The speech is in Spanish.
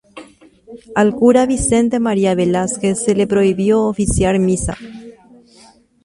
Al cura Vicente María Velásquez se le prohibió oficiar misa.